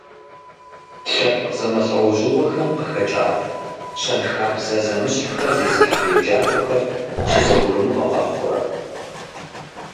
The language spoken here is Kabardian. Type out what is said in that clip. Лъэпкъ зэмылӏэужьыгъуэхэм къыхэкӏа, щэнхабзэ зэмыщхьхэр зезыхьэ еджакӀуэхэр щызэгурымыӀуэ къэхъурэ?